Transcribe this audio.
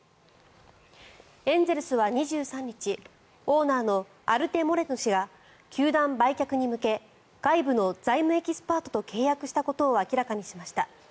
エンゼルスは２３日オーナーのアルテ・モレノ氏が球団売却に向け外部の財務エキスパートと契約したことを明らかにしました。